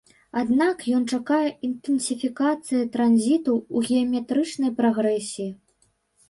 Аднак ён чакае інтэнсіфікацыі транзіту ў геаметрычнай прагрэсіі.